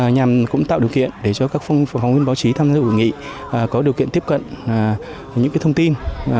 nhằm cũng tạo điều kiện để cho các phóng viên báo chí tham dự hội nghị có điều kiện tiếp cận những thông tin